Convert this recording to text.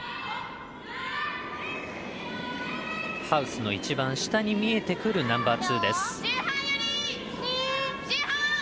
ハウスの一番下に見えてくるナンバーツーです。